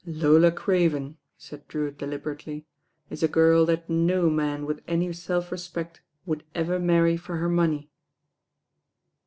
"Lola Craven," said Drewitt deliberately, "is a giri that no man with any self respect would ever marry for her money."